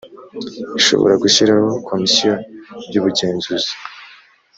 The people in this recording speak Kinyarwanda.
ishobora gushyiraho komisiyo y’ubugenzuzi